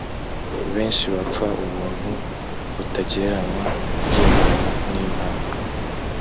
benshi bapfa ubuntu butagereranywa bw imana n impano